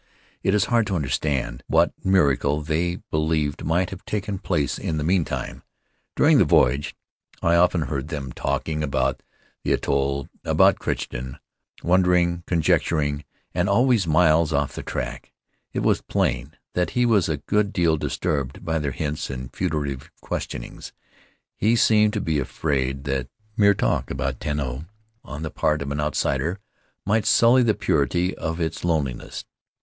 It is hard to understand what miracle they believed might have taken place in the meantime. During the voyage I often heard them Faery Lands of the South Seas talking about the atoll, about Crichton — wondering, conjecturing, and always miles off the track. It was plain that he was a good deal disturbed by their hints and furtive questionings. He seemed to be afraid that mere talk about Tanao on the part of an outsider might sully the purity of its loneliness.